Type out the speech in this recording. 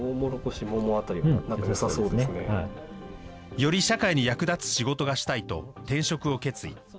より社会に役立つ仕事がしたいと、転職を決意。